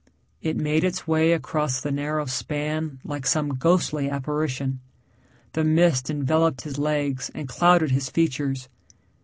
It made its way across the narrow span like some ghostly apparition. The mist enveloped his legs and clouded his features.